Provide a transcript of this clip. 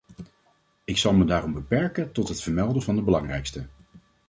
Ik zal me daarom beperken tot het vermelden van de belangrijkste.